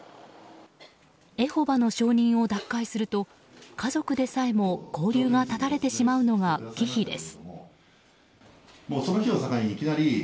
エホバの証人を脱会すると家族でさえも交流が絶たれてしまうのが忌避です。